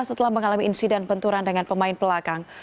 setelah mengalami insiden penturan dengan pemain pelakang